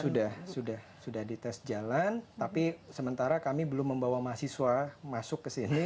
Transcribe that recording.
sudah sudah dites jalan tapi sementara kami belum membawa mahasiswa masuk ke sini